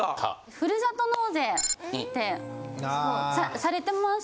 ふるさと納税ってされてます？